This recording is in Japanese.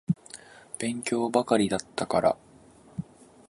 勉強ばっかりだったから。